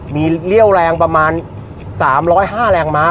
มีเรี่ยวแรงประมาณ๓๐๕แรงม้า